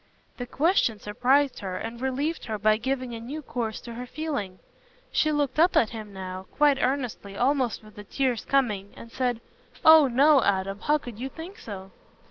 The question surprised her, and relieved her by giving a new course to her feeling. She looked up at him now, quite earnestly, almost with the tears coming, and said, "Oh, no, Adam! how could you think so?"